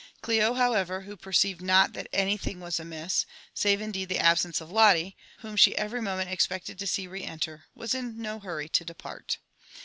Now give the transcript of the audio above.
Ch'o, however, who perceived not that any thing was amiss, save indeed the absence of Lotte, whom she every moment expected to see re enter, was in no hurry to depart.